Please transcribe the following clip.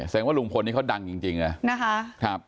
แสดงว่าลุงพลนี่เขาดังจริงนะนะคะ